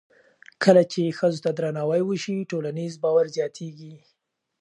کله چې ښځو ته درناوی وشي، ټولنیز باور زیاتېږي.